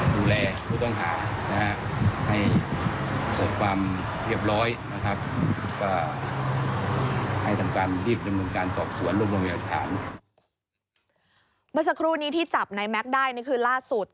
เมื่อสักครู่นี้ที่จับในแม็กซ์ได้นี่คือล่าสุด